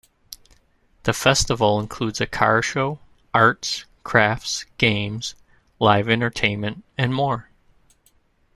The festival includes a car show, arts, crafts, games, live entertainment and more.